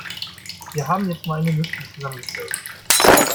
Wir haben jetzt mal eine Liste zusammengestellt.